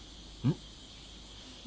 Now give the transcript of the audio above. うん。